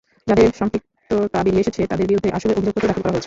যাঁদের সম্পৃক্ততা বেরিয়ে এসেছে, তাঁদের বিরুদ্ধে আসলে অভিযোগপত্র দাখিল করা হয়েছে।